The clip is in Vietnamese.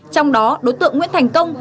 trong đó đối tượng nguyễn thành công